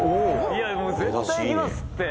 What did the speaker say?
「いや絶対いきますって」